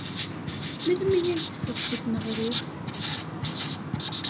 Melmi ay teffeɣ seg tneɣrit?